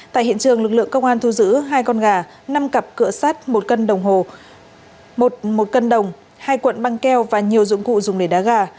tại hiện trường lực lượng công an thu giữ hai con gà năm cặp cửa sắt một cân đồng hồ hai cuộn băng keo và nhiều dụng cụ dùng để đá gà